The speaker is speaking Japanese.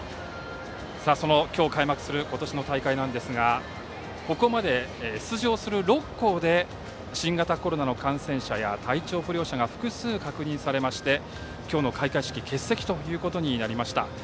今日、開幕する今年の大会ですがここまで出場する６校で新型コロナの感染者や体調不良者が複数、確認されまして今日の開会式欠席ということになりました。